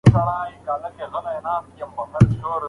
که پېیر کوري د تجربې پایله ثبت نه کړي، علمي سند به پاتې نشي.